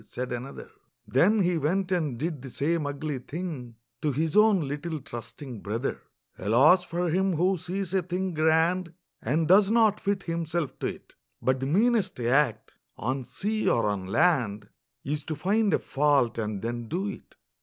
said another; Then he went and did the same ugly thing To his own little trusting brother! Alas for him who sees a thing grand And does not fit himself to it! But the meanest act, on sea or on land, Is to find a fault, and then do it!